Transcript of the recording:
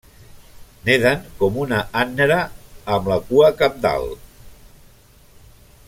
Neden com una ànnera amb la cua cap dalt.